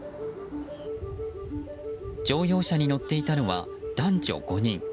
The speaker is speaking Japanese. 乗用車に乗っていたのは男女５人。